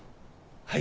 はい。